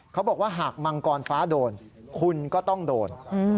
เขาบอกว่าหากมังกรฟ้าโดนคุณก็ต้องโดน